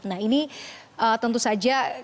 nah ini tentu saja